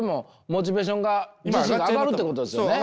モチベーションが上がるってことですよね。